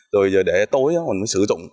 rồi để tối mình sử dụng